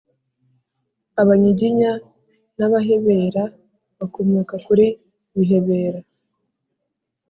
Abanyiginya b’Abahebera bakomoka kuri Bihebera